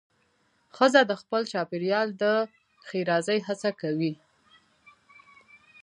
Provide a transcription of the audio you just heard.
ښځه د خپل چاپېریال د ښېرازۍ هڅه کوي.